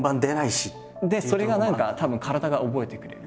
それが何かたぶん体が覚えてくれる。